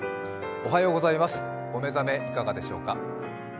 お目覚め、いかがでしょうかき？